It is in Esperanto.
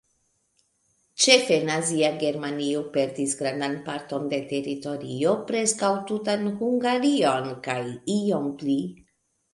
Ĉefe Nazia Germanio perdis grandan parton de teritorio, preskaŭ tutan Hungarion kaj iom pli.